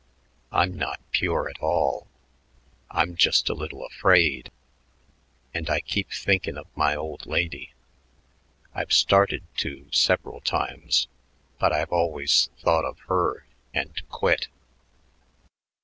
I'm not pure at all; I'm just a little afraid and I keep thinkin' of my old lady. I've started to several times, but I've always thought of her and quit."